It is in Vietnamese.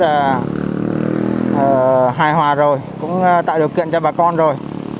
là hài hòa rồi cũng tạo điều kiện cho bà con rồi